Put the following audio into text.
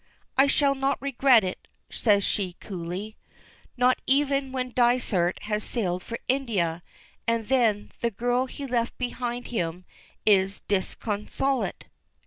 "I shall not regret it," says she, coolly. "Not even when Dysart has sailed for India, and then 'the girl he left behind him' is disconsolate?"